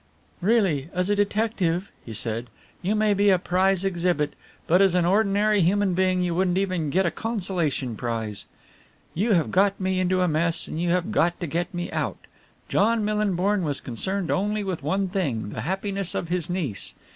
"Really, as a detective," he said, "you may be a prize exhibit, but as an ordinary human being you wouldn't even get a consolation prize. You have got me into a mess and you have got to get me out. John Millinborn was concerned only with one thing the happiness of his niece.